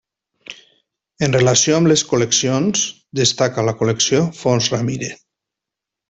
En relació amb les col·leccions, destaca la Col·lecció Fons Ramírez.